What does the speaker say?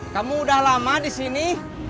kamu udah lama disini